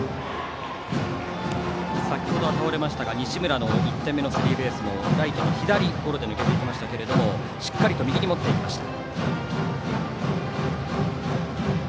先ほどは倒れましたが西村の１点目のスリーベースもライトの左抜けていきましたけれどもしっかりと右に持っていきました。